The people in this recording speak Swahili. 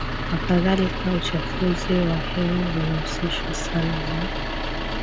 waKadhalika uchafuzi wa hewa unahusishwa sana na